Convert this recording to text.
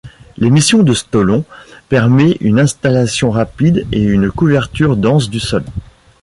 L'émission de stolons permet une installation rapide et une couverture dense du sol.